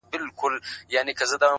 زحمت د هیلو د ونې ریښه ده؛